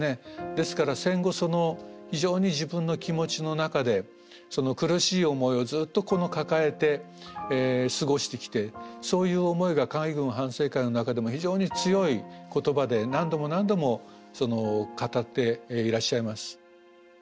ですから戦後非常に自分の気持ちの中でその苦しい思いをずっと抱えて過ごしてきてそういう思いが海軍反省会の中でも非常に強い言葉で何度も何度も語っていらっしゃいます。